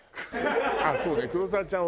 そうね黒沢ちゃん。